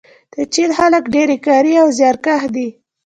د چین خلک ډیر کاري او زیارکښ دي.